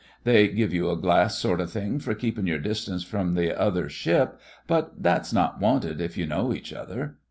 They give you a glass sort o' thing for keepin' your distance from the other ship, but thafs not wanted if you know each other.